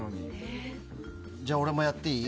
じゃあ、俺もやっていい？